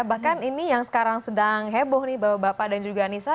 bahkan ini yang sekarang sedang heboh nih bapak bapak dan juga anissa